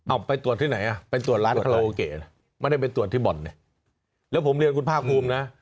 เอาไปตรวจที่ไหนอ่ะไปตรวจร้านคาราโอเกะนะไม่ได้ไปตรวจที่บ่อนเนี่ยแล้วผมเรียนคุณภาคภูมินะ